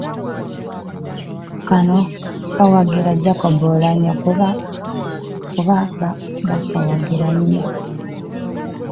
Kano kawagira Jacob Oulanyah kuba bakkiriziganya.